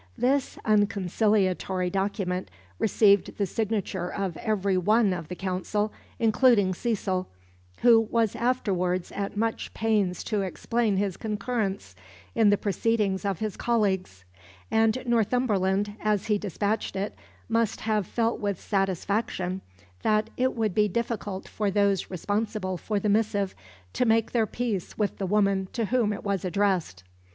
This unconciliatory document received the signature of every one of the Council, including Cecil, who was afterwards at much pains to explain his concurrence in the proceedings of his colleagues; and Northumberland, as he despatched it, must have felt with satisfaction that it would be difficult for those responsible for the missive to make their peace with the woman to whom it was addressed.